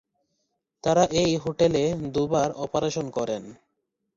তারা এই হোটেলে দুবার অপারেশন করেন।